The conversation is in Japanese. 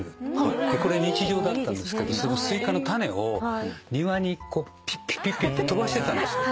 これ日常だったんですけどそのスイカの種を庭にピッピッって飛ばしてたんですよ。